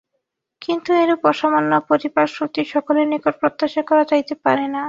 কিন্তু এরূপ অসামান্য পরিপাকশক্তি সকলের নিকট প্রত্যাশা করা যাইতে পারে না।